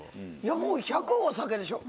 もう１００お酒でしょ。